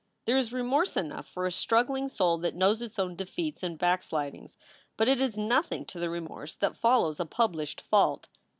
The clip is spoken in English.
There is remorse enough for a struggling soul that knows its own defeats and backslidings, but it is nothing to the remorse that follows a published fault.